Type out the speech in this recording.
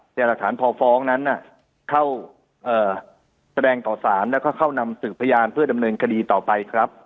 แต่หลักฐานพอฟ้องนั้นเข้าแสดงต่อสารแล้วก็เข้านำสืบพยานเพื่อดำเนินคดีต่อไปครับ